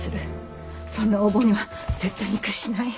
そんな横暴には絶対に屈しない。